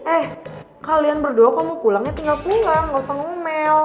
eh kalian berdua kamu pulangnya tinggal pulang gak usah ngemel